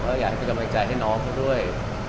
ขออยากให้เขาทำกำลังใจให้น้องด้วย